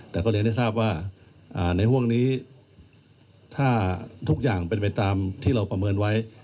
แต่ก็เรียนให้ทราบว่าในห่วงนี้ถ้าทุกอย่างเป็นไปตามที่เราประเมินไว้